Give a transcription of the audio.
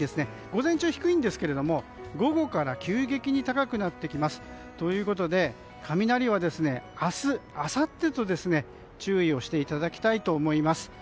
午前中低いんですが午後から急激に高くなってきます。ということで、雷は明日、あさってと注意をしていただきたいと思います。